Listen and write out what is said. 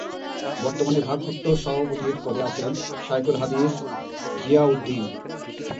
বর্তমানে ভারপ্রাপ্ত সভাপতির পদে আছেন শায়খুল হাদিস জিয়া উদ্দিন।